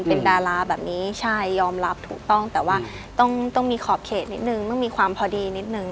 เป็นดาราแบบนี้ใช่ยอมรับถูกต้องแต่ว่าต้องมีขอบเขตนิดนึงต้องมีความพอดีนิดนึง